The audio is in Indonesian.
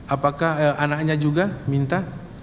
apakah anaknya juga minta